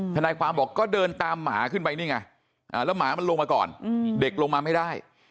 ทนายความบอกก็เดินตามหมาขึ้นไปนี่ไงแล้วหมามันลงมาก่อนเด็กลงมาไม่ได้